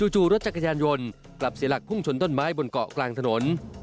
จู่รถจักรยานยนต์กลับเสียหลักพุ่งชนต้นไม้บนเกาะกลางถนน